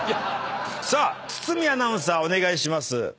さあ堤アナウンサーお願いします。